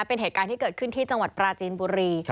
เป็นเหตุการณ์ที่เกิดขึ้นที่จังหวัดปราจีนบุรี